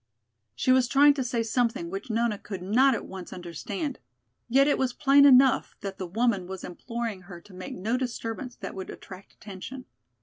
She was trying to say something which Nona could not at once understand. Yet it was plain enough that the woman was imploring her to make no disturbance that would attract attention.